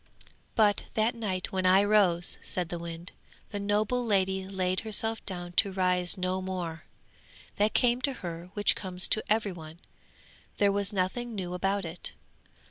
'But that night when I rose,' said the wind, 'the noble lady laid herself down to rise no more; that came to her which comes to every one there was nothing new about it.